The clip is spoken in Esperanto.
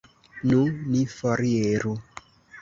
Nu, ni foriru!